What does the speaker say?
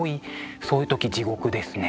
そういう時地獄ですね。